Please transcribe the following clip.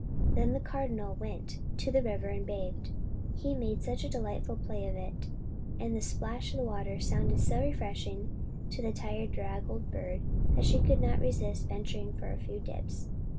Then the Cardinal went to the river and bathed. He made such delightful play of it, and the splash of the water sounded so refreshing to the tired draggled bird, that she could not resist venturing for a few dips.